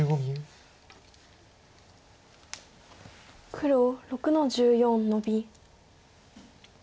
黒６の十四ノビ。